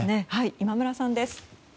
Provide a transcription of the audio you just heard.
今村さんです。